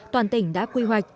toàn tỉnh đã quy hoạch